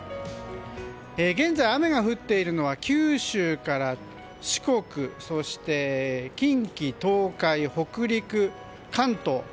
現在、雨が降っているのは九州から四国そして近畿、東海、北陸、関東。